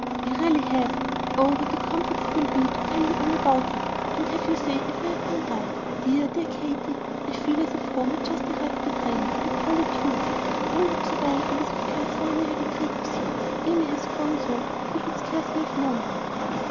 "We really have. Oh, what a comfort it will be to tell you all about it, and have you say if I have done right! Dear, dear Katy, I feel as if home had just arrived by train. And Polly, too! You all look so well, and as if California had agreed with you. Amy has grown so that I should scarcely have known her."